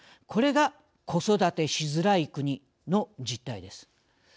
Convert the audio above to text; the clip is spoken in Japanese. これが子育てしづらい国の実態です。